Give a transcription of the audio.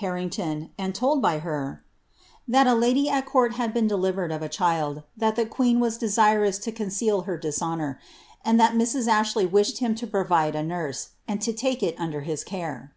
Harrington, and told by her, ^ that a lady at court had been deliTeired of a chud ; that the queen was desirous to conceal her disho nour, and that Mrs. Ashley wished him to provide a nurse for it, and to lake it under his care.'